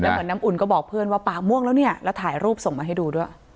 เหมือนน้ำอุ่นก็บอกเพื่อนว่าปากม่วงแล้วเนี่ยแล้วถ่ายรูปส่งมาให้ดูด้วย